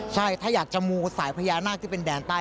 ใช่ถ้าอยากจะมูสายพญานาคที่เป็นแดนใต้